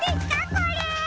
これ！